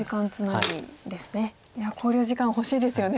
いや考慮時間欲しいですよね